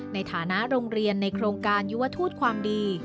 ในฐานะโรงเรียนในโครงการยุวทูตความดี